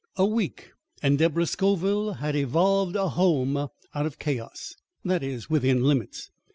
A week, and Deborah Scoville had evolved a home out of chaos. That is, within limits.